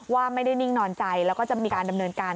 ว่าไม่ได้นิ่งนอนใจแล้วก็จะมีการดำเนินการ